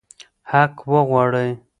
حق وغواړئ.